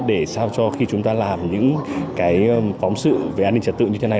để sao cho khi chúng ta làm những cái phóng sự về an ninh trật tự như thế này